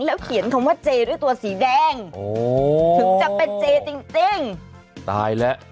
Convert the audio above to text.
แล้วเขียนคำว่าเจด้วยตัวสีแดงถึงจะเป็นเจจริงตายแล้ว